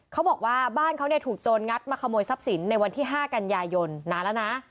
เขาบอกว่าบ้านเขาเนี่ยถูกโจรงัดมาขโมยทรัพย์สินในวันที่๕กันยายนนานแล้วนะ